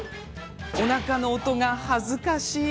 おなかの音が、恥ずかしい。